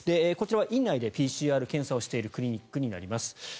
こちらは院内でＰＣＲ検査をしているクリニックになります。